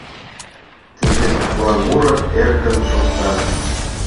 Тыге тудлан муро эркын шокта: